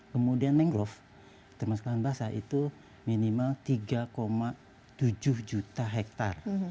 kemudian mangrove termasuk lahan basah itu minimal tiga tujuh juta hektare